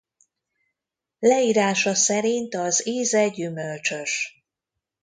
Leírása szerint az íze gyümölcsös.